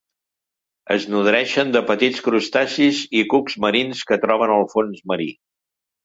Es nodreixen de petits crustacis i cucs marins que troben al fons marí.